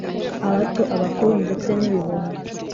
Abato abakuru ndetse n’ibibondo